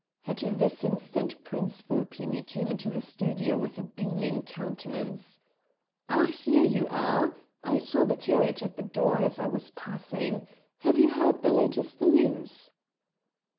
At this instant Prince Vulpini came into the studio with a beaming countenance. "Ah! here you are! I saw the carriage at the door as I was passing. Have you heard the latest news?"